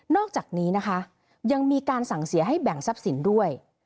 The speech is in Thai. อกจากนี้นะคะยังมีการสั่งเสียให้แบ่งทรัพย์สินด้วย